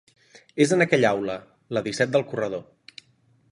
És en aquella aula, la disset del corredor.